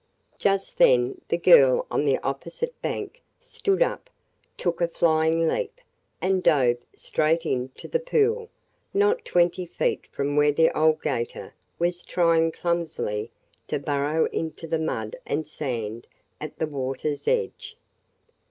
Just then the girl on the opposite bank stood up, took a flying leap, and dove straight into the pool, not twenty feet from where the old 'gator was trying clumsily to burrow into the mud and sand at the water's edge.